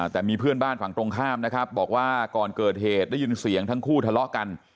แต่มีเพื่อนบ้านฝั่งตรงข้ามนะครับบอกว่าก่อนเกิดเหตุได้ยินเสียงทั้งคู่ทะเลาะกัน